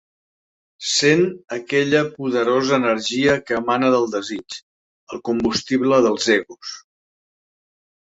Sent aquella poderosa energia que emana del desig, el combustible dels egos.